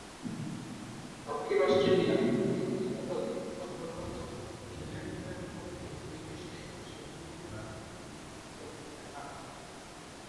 দক্ষিণ অস্ট্রেলিয়ার অ্যাডিলেড ওভালে সফররত ইংল্যান্ড দলের বিপক্ষে ঐ টেস্টে সেঞ্চুরি করার কৃতিত্ব দেখান।